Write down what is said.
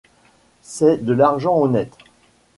C’est de l’argent honnête.